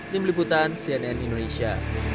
tim liputan cnn indonesia